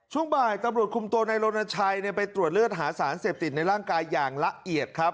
ช่วงบ่ายตำรวจคุมตัวในรณชัยไปตรวจเลือดหาสารเสพติดในร่างกายอย่างละเอียดครับ